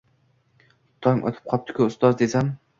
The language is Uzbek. — Tong otib qopti-ku, ustoz! –desam.